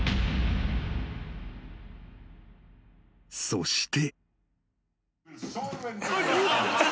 ［そして］